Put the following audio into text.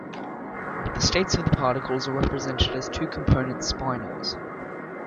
The states of the particles are represented as two-component spinors.